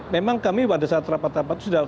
memang kami pada saat rapat rapat sudah